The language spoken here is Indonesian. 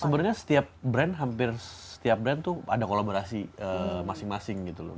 sebenarnya setiap brand hampir setiap brand tuh ada kolaborasi masing masing gitu loh